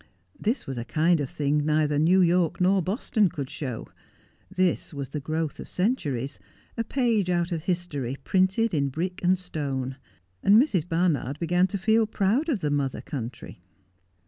This was a kind of thing neither New York nor Boston could show. This was the growth of centuries, a page out of history, printed in brick and stone ; and Mrs. Barnard began to feel proud of the mother country.